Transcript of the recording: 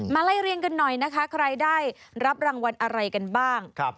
ไล่เรียงกันหน่อยนะคะใครได้รับรางวัลอะไรกันบ้าง